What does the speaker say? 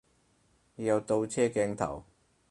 要有倒車鏡頭